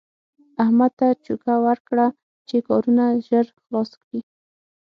احمد ته چوکه ورکړه چې کارونه ژر خلاص کړي.